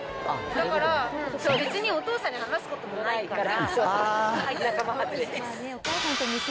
だから、私は別にお父さんと話すこともないから。